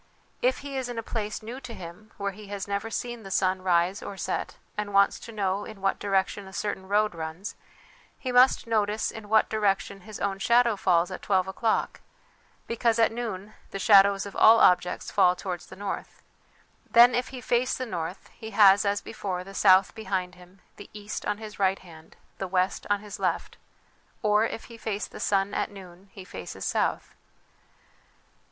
If he is in a place new to him where he has never seen the sun rise or set and wants to know in what direction a certain road runs, he must notice in what direction his own shadow falls at twelve o'clock, because at noon the shadows of all objects fall towards the north. Then if he face the north, he has, as before, the south behind him, the east on his right hand, the west on his left ; or if he face the sun at noon, he faces south.